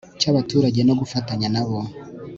cy abaturage no gufatanya nabo